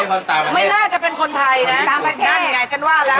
ไม่น่าจะเป็นคนไทยนะ